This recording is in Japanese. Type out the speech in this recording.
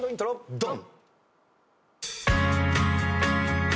ドン！